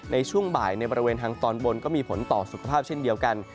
ในช่วงบ่ายในบริเวณทางตอนบนก็มีผลต่อสุขภาพเช่นเดียวกัน